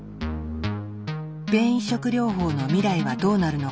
便移植療法の未来はどうなるのか。